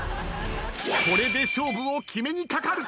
これで勝負を決めにかかる。